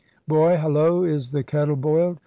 *Boy, hallo! is the kettle boiled?'